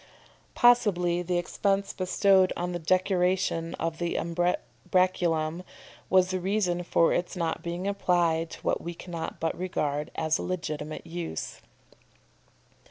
Possibly the expense bestowed in the decoration of the umbraculum was a reason for its not being applied to what we cannot but regard as its legitimate use.